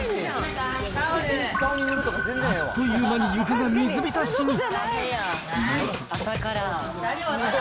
あっという間に床が水浸しに。